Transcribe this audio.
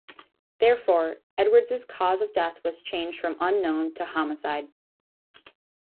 Therefore, Edwards' cause of death was changed from unknown to homicide.